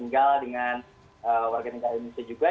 tinggal dengan warga negara indonesia juga